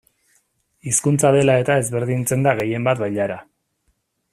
Hizkuntza dela eta ezberdintzen da gehien bat bailara.